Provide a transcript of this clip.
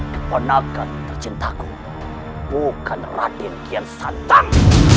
keponakan tercintaku bukan raden kian santang